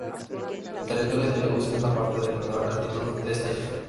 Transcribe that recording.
El territorio de Lewis es la parte de menor altitud de esta isla.